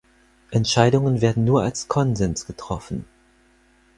Entscheidungen werden nur als Konsens getroffen.